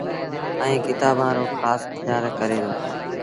ائيٚݩ ڪتآݩبآݩ رو کآس کيآل ڪري دو